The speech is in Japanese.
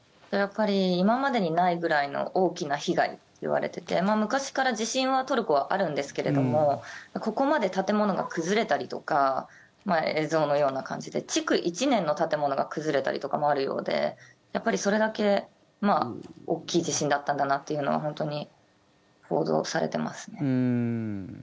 今までにないぐらいの大きな被害といわれてて昔から地震はトルコはあるんですけれどもここまで建物が崩れたりとか映像のような感じで築１年の建物が崩れたりとかもあるようでやっぱりそれだけ大きい地震だったんだなというのは本当に報道されてますね。